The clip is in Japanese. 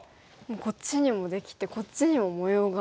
こっちにもできてこっちにも模様が。